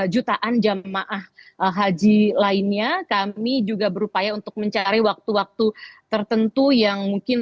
jutaan jamaah haji lainnya kami juga berupaya untuk mencari waktu waktu tertentu yang mungkin